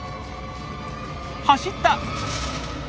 走った！